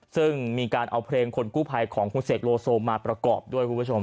ซึ่งมีการเอาเพลงคนกู้ภัยของคุณเสกโลโซมาประกอบด้วยคุณผู้ชม